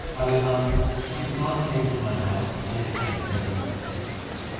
Harihan, when God came to my house, I obtained every thing.